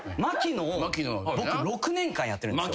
僕６年間やってるんですよ。